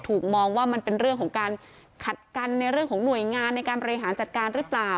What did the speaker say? มองว่ามันเป็นเรื่องของการขัดกันในเรื่องของหน่วยงานในการบริหารจัดการหรือเปล่า